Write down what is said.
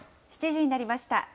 ７時になりました。